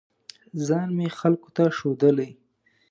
ځان مې خلکو ته ښودلی